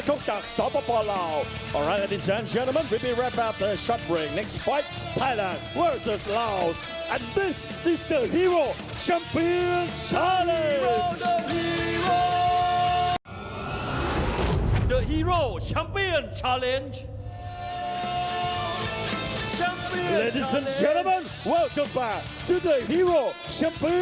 ทุกคนสวัสดีสวัสดีสวัสดีสวัสดีสวัสดีสวัสดีสวัสดี